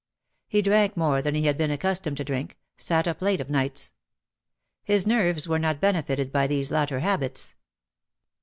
He drank more than he had been accustomed to drink, sat up late of nights. His nerves were not benefited by these latter habits.